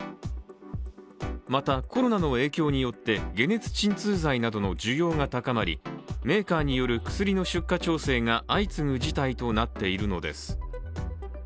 また、コロナの影響によって解熱鎮痛剤などの需要が高まりメーカーによる薬の出荷調整が相次ぐ事態となっているのです。